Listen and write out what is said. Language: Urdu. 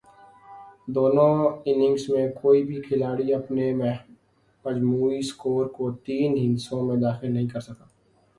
دونوں اننگز میں کوئی بھی کھلاڑی اپنے مجموعی سکور کو تین ہندسوں میں داخل نہیں کر سکا۔